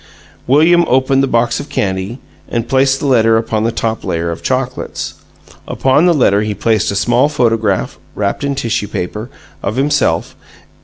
William opened the box of candy and placed the letter upon the top layer of chocolates. Upon the letter he placed a small photograph (wrapped in tissue paper) of himself.